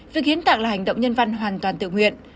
việc hiến tặng là hành động nhân văn hoàn toàn tự nguyện